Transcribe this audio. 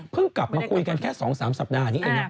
กลับมาคุยกันแค่๒๓สัปดาห์นี้เองนะ